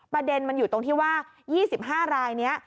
ประเด็นมันอยู่ตรงที่ว่า๒๕รายนี้